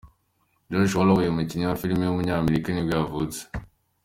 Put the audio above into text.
Josh Holloway, umukinnyi wa filime w’umunyamerika nibwo yavutse.